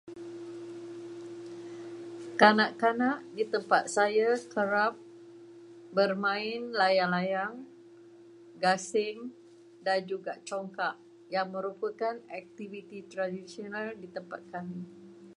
Kanak-kanak di tempat saya kerap bermain layang-layang , gasing dan juga congkak, yang merupakan aktiviti tradisional di tempat kami.